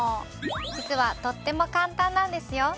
実はとっても簡単なんですよ。